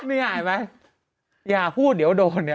เป็นการกระตุ้นการไหลเวียนของเลือด